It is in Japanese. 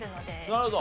なるほど。